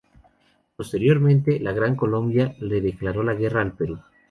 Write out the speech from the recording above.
Posteriormente, la Gran Colombia le declaró la guerra al Perú.